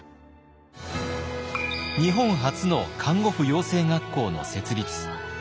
日本初の看護婦養成学校の設立。